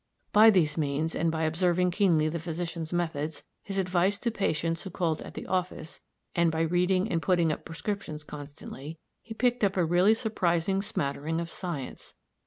By these means, and by observing keenly the physician's methods, his advice to patients who called at the office, and by reading and putting up prescriptions constantly, he picked up a really surprising smattering of science.